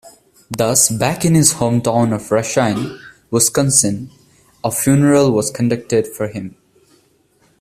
Thus back in his hometown of Racine, Wisconsin, a funeral was conducted for him.